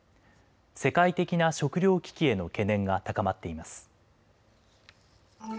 世界的な食料危機への懸念が高まっています。